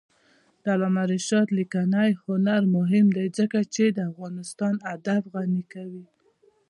د علامه رشاد لیکنی هنر مهم دی ځکه چې افغانستان ادب غني کوي.